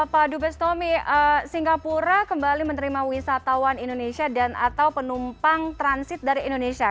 pak dubes tommy singapura kembali menerima wisatawan indonesia dan atau penumpang transit dari indonesia